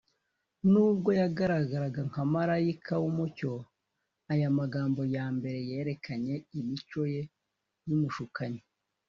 Nubwo yagaragaraga nka marayika w’umucyo, aya magambo ya mbere yerekanye imico ye y’umushukanyi